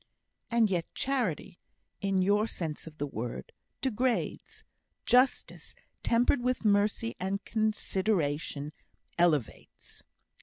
"And yet charity (in your sense of the word) degrades; justice, tempered with mercy and consideration, elevates."